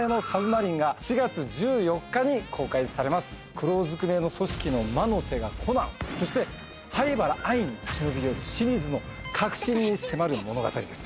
黒ずくめの組織の魔の手がコナンそして灰原哀に忍び寄るシリーズの核心に迫る物語です。